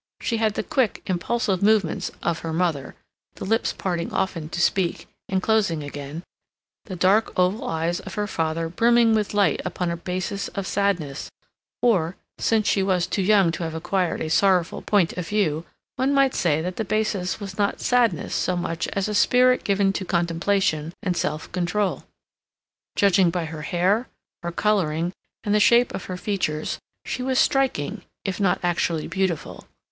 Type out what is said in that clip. She had the quick, impulsive movements of her mother, the lips parting often to speak, and closing again; and the dark oval eyes of her father brimming with light upon a basis of sadness, or, since she was too young to have acquired a sorrowful point of view, one might say that the basis was not sadness so much as a spirit given to contemplation and self control. Judging by her hair, her coloring, and the shape of her features, she was striking, if not actually beautiful.